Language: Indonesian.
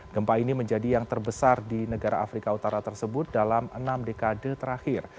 gempa ini menjadi yang terbesar di negara afrika utara tersebut dalam enam dekade terakhir